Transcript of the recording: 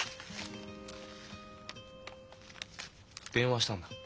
電話したんだ。